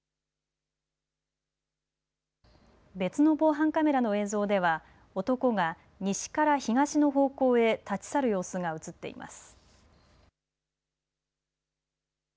別の防犯カメラの映像では男が西から東の方向へ立ち去る様子が映っています。